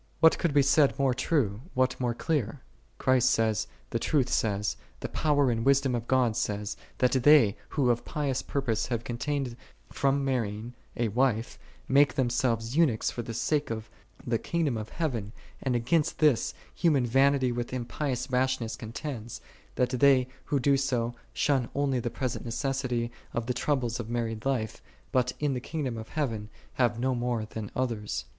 " What could be said more true, what more clear? Christ saith, the Truth saith, the Power and Wisdom of God saith, that they, who of pious purpose have contained from marrying a wife, make them selves eunuchs for the sake of the kingdom of heaven: and against this, human vanity with impious rashness contends, that they, who do so, shun only the present necessity of the troubles of married life, but in the kingdom of heaven have no more than others.